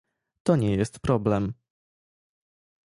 To nie jest problem